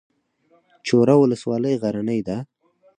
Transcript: چوره ولسوالۍ غرنۍ ده؟